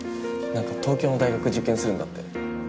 何か東京の大学受験するんだって。